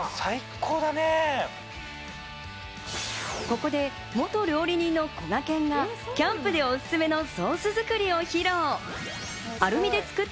ここで元料理人のこがけんがキャンプでおすすめのソース作りを披露。